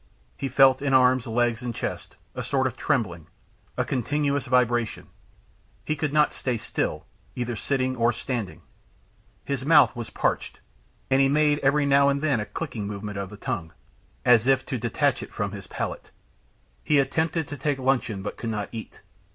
He felt, in arms, legs and chest, a sort of trembling a continuous vibration; he could not stay still, either sitting or standing. His mouth was parched, and he made every now and then a clicking movement of the tongue, as if to detach it from his palate. He attempted, to take luncheon, but could not eat.